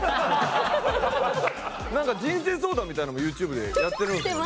なんか人生相談みたいなのもＹｏｕＴｕｂｅでやってるんですよね。